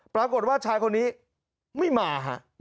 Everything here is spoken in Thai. ปรากฏว่าชายคนนี้ไม่มาฮะ